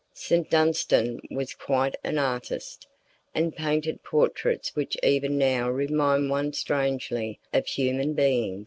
St. Dunstan was quite an artist, and painted portraits which even now remind one strangely of human beings.